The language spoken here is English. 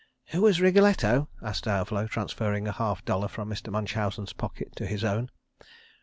"Who was Wriggletto?" asked Diavolo, transferring a half dollar from Mr. Munchausen's pocket to his own.